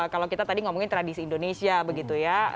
kalau kita tadi ngomongin tradisi indonesia begitu ya